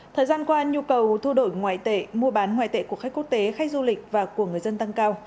thời gian qua nhu cầu thu đổi ngoại tệ mua bán ngoại tệ của khách quốc tế khách du lịch và của người dân tăng cao